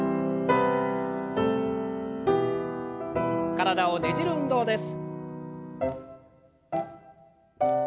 体をねじる運動です。